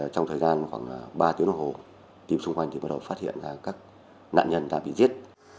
trong thời gian khoảng ba tiếng đồng hồ tìm xung quanh thì bắt đầu phát hiện ra các nạn nhân đã bị giết